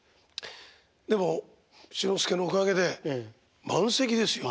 でも志の輔のおかげで満席ですよ。